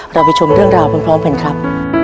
เราไปชมเรื่องราวพร้อมกันครับ